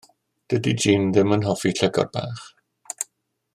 Dydi Jean ddim yn hoffi llygod bach.